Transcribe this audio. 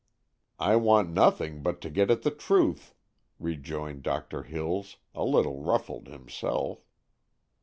"I want nothing but to get at the truth," rejoined Doctor Hills, a little ruffled himself.